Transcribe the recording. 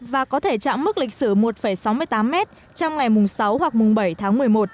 và có thể chạm mức lịch sử một sáu mươi tám m trong ngày mùng sáu hoặc mùng bảy tháng một mươi một